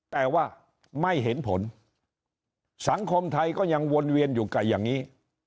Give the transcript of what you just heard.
แต่ว่าไม่เห็นผลสังคมไทยก็ยังวนเวียนอยู่กับอย่างนี้